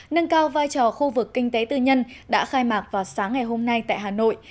nâng cao vai trò khu vực kinh tế tư nhân đã khai mạc vào sáng ngày hôm nay tại hà nội